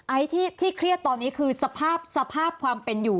ที่เครียดตอนนี้คือสภาพสภาพความเป็นอยู่